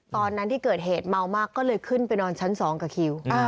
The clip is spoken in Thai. ตอนนั้นที่เกิดเหตุเมามากก็เลยขึ้นไปนอนชั้น๒กับคิว